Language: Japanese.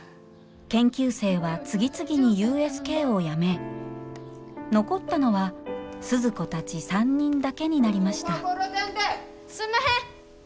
研究生は次々にＵＳＫをやめ残ったのは鈴子たち３人だけになりましたすんまへん！